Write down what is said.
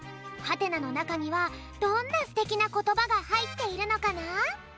「？」のなかにはどんなすてきなことばがはいっているのかな？